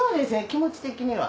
気持ち的には。